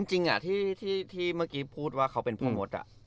จริงที่เมื่อกี้พูดว่าเขาเป็นพ่อมด